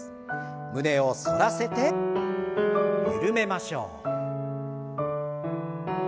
胸を反らせて緩めましょう。